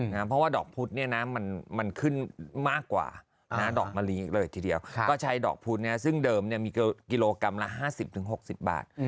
เพราะว่าดอกพุธเนี่ยนะมันขึ้นมากกว่าดอกมะลิเลยทีเดียวก็ใช้ดอกพุธซึ่งเดิมมีกิโลกรัมละ๕๐๖๐บาท